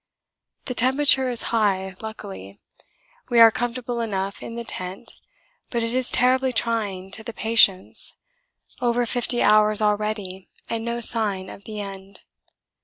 The temperature is high, luckily. We are comfortable enough in the tent, but it is terribly trying to the patience over fifty hours already and no sign of the end.